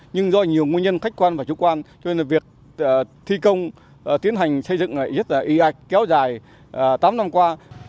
nhưng do nhiều nguyên nhân khách quan và chủ quan cho nên việc thi công tiến hành xây dựng rất là y ạch kéo dài tám năm qua